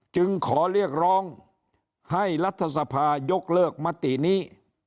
จึงขอเรียกร้องให้รัฐสภายกเลิกมตินี้